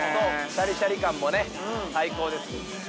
◆シャリシャリ感もね、最高です◆